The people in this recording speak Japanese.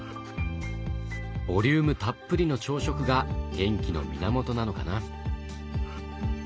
ボリュームたっぷりの朝食が元気の源なのかな。